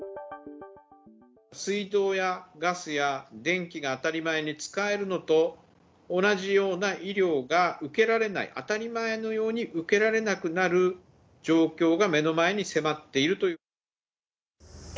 水道やガスや電気が当たり前に使えるのと同じような医療が受けられない、当たり前のように受けられなくなる状況が目の前に迫っているという。